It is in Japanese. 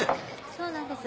そうなんです。